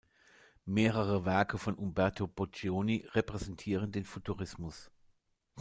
Mehrere Werke von Umberto Boccioni repräsentieren den Futurismus.